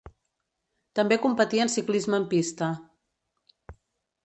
També competí en ciclisme en pista.